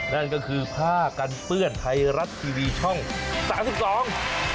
นั่นก็คือผ้ากันเปื้อนไทยรัฐทีวีช่อง๓๒